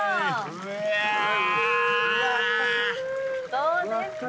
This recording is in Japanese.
どうですか？